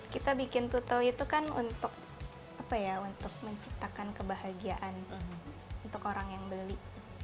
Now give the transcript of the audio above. kita bikin tutel itu kan untuk menciptakan kebahagiaan untuk orang yang beli